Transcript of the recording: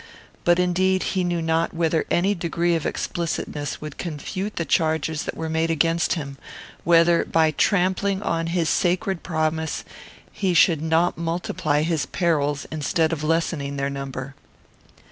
But, indeed, he knew not whether any degree of explicitness would confute the charges that were made against him; whether, by trampling on his sacred promise, he should not multiply his perils instead of lessening their number.